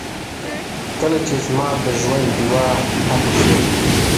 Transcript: کله چې زما دژوندډېوه ټپه شي